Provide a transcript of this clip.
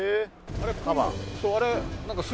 あれ。